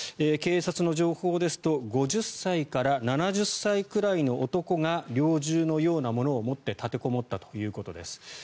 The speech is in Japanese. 警察の情報ですと５０歳から７０歳くらいの男が猟銃のようなものを持って立てこもったということです。